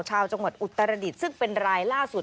ชาวจังหวัดอุตรดิษฐ์ซึ่งเป็นรายล่าสุด